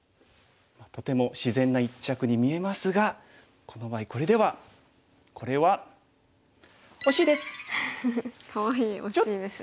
とても自然な一着に見えますがこの場合これではこれはかわいい「おしい」ですね。